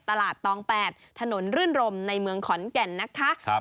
ตอง๘ถนนรื่นรมในเมืองขอนแก่นนะคะ